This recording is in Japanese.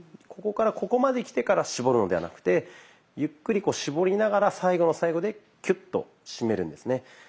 ここからここまできてから絞るのではなくてゆっくりこう絞りながら最後の最後でキュッと締めるんですね。